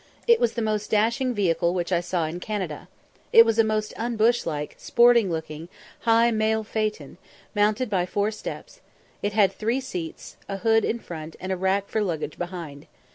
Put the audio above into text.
It was the most dashing vehicle which I saw in Canada. It was a most unbush like, sporting looking, high, mail phaëton, mounted by four steps; it had three seats, a hood in front, and a rack for luggage behind.